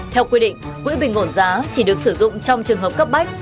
theo quy định quỹ bình ổn giá chỉ được sử dụng trong trường hợp cấp bách